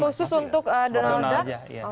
khusus untuk donald duck